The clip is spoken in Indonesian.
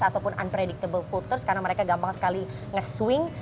ataupun unpredictable voters karena mereka gampang sekali nge swing